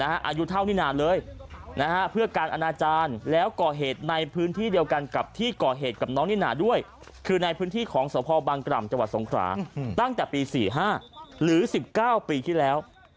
อายุเท่านินาเลยเพื่อการอนาจารย์แล้วก่อเหตุในพื้นที่เดียวกันกับที่ก่อเหตุกับน้องนิน่าด้วยคือในพื้นที่ของสพบังกล่ำจังหวัดสงขราตั้งแต่ปี๔๕หรือ๑๙ปีที่แล้ว